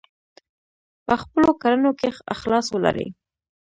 په خپلو کړنو کې اخلاص ولرئ.